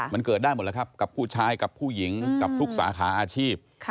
มันเกิดได้หมดแล้วครับกับผู้ชายกับผู้หญิงกับทุกสาขาอาชีพ